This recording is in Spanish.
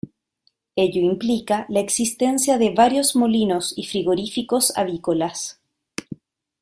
Ello implica la existencia de varios molinos y frigoríficos avícolas.